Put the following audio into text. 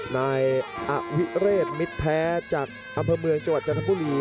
นายอวิเรศมิตรแพ้จากอำเภอเมืองจังหวัดจันทบุรี